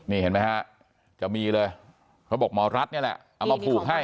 นี่เห็นไหมฮะจะมีเลยเขาบอกหมอรัฐนี่แหละเอามาผูกให้